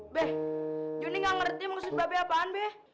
beh juni nggak ngerti maksud babi apaan beh